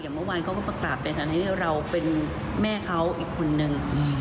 อย่างเมื่อวานเขาก็ประกราบเป็นทางให้เราเป็นแม่เขาอีกคนนึง